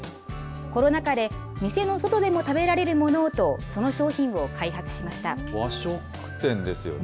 コロナ禍で店の外でも食べられるものをと、その商品を開発しまし和食店ですよね。